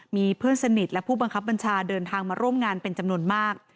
มีเพื่อนสนิทและผู้บังคับบัญชาเดินทางมาร่วมงานเป็นจำนวนมาก